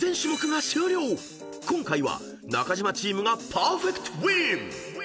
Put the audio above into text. ［今回は中島チームがパーフェクトウィン！］